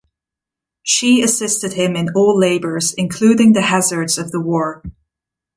She assisted him in all labours including the hazards of the war.